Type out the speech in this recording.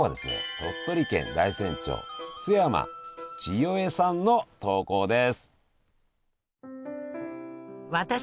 鳥取県大山町陶山ちよえさんの投稿です。